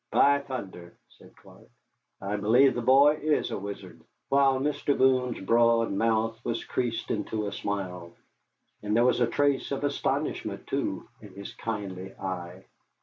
"By thunder," said Clark, "I believe the boy is a wizard," while Mr. Boone's broad mouth was creased into a smile, and there was a trace of astonishment, too, in his kindly eye.